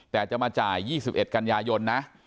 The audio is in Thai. แต่จะมาจ่าย๒๑กันยายนนะ